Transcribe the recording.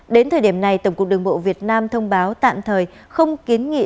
đến thời điểm này tổng cục đường bộ việt nam thông báo tạm thời không kiến nghị